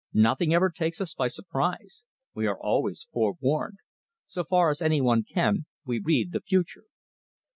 Nothing ever takes us by surprise. We are always forewarned. So far as any one can, we read the future."